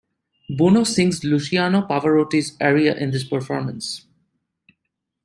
Bono sings Luciano Pavarotti's aria in this performance.